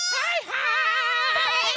はい！